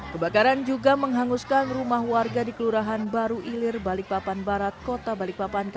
kebakaran juga menghanguskan rumah warga di kelurahan baru ilir balikpapan barat kota balikpapan